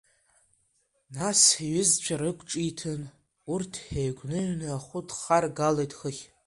Нас иҩызцәа рықәҿиҭын, урҭ еигәныҩны ахәы дхаргалеит хыхь.